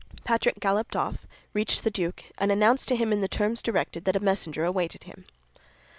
Patrick galloped off, reached the duke, and announced to him in the terms directed that a messenger awaited him.